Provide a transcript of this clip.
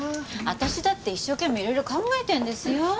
私だって一生懸命いろいろ考えてるんですよ。